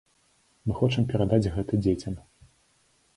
Мы хочам перадаць гэта дзецям.